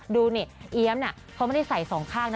ดูเนี่ยเอียมน่ะเขาไม่ได้ใส่๒ข้างนะ